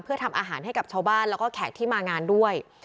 เพื่อทำอาหารให้กับชาวบ้านแล้วก็แขกที่มางานด้วย